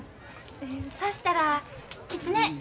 そしたらきつね。